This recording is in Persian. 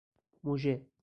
مژه